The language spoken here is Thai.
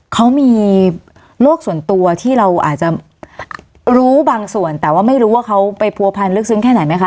เขามีโรคส่วนตัวที่เราอาจจะรู้บางส่วนแต่ว่าไม่รู้ว่าเขาไปผัวพันลึกซึ้งแค่ไหนไหมคะ